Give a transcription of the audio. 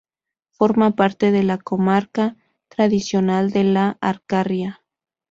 Forma parte de comarca tradicional de La Alcarria.